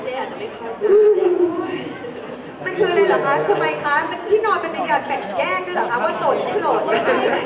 จะไม่เข้าจาน